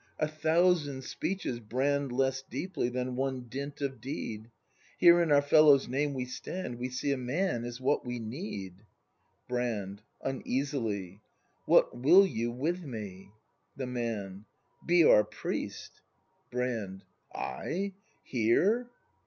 A thousand speeches brand Less deeply than one dint of deed. Here in our fellows' name we stand; — We see, a man is what we need. Brand. [Uneasily.] What will you with me ? The Man. Be our priest. Brand. I? Here!